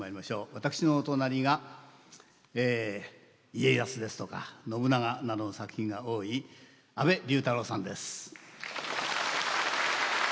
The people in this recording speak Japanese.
私のお隣が家康ですとか信長などの作品が多い安部龍太郎さんです。